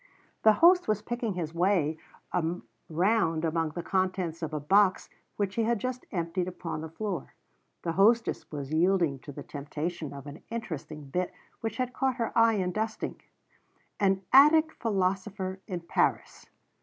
The host was picking his way around among the contents of a box which he had just emptied upon the floor. The hostess was yielding to the temptation of an interesting bit which had caught her eye in dusting "An Attic Philosopher in Paris."